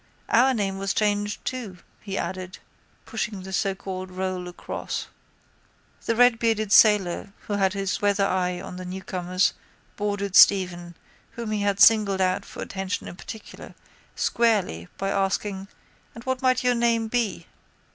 Our name was changed too, he added, pushing the socalled roll across. The redbearded sailor who had his weather eye on the newcomers boarded Stephen, whom he had singled out for attention in particular, squarely by asking: —And what might your name be?